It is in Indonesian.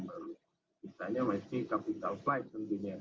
misalnya masih capital flight tentunya